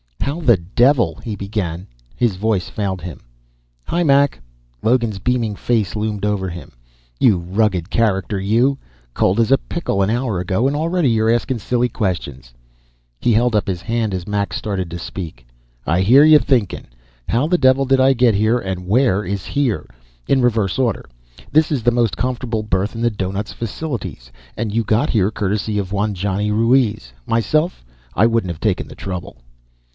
"How the devil ", he began. His voice failed him. "Hi, Mac." Logan's beaming face loomed over him. "You rugged character, you. Cold as a pickle an hour ago, and already you're askin' silly questions." He held up his hand as Mac started to speak. "I hear you thinkin'. 'How the devil did I get here, and where is here?' In reverse order, this is the most comfortable berth in the doughnut's facilities, and you got here courtesy of one Johnny Ruiz. Myself, I wouldn't have taken the trouble."